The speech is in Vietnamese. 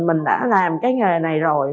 mình đã làm cái nghề này rồi